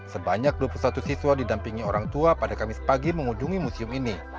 sebanyak dua puluh satu siswa didampingi orang tua pada kamis pagi mengunjungi museum ini